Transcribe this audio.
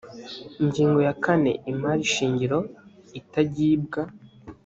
ingingo ya kane imari shingiro itagibwa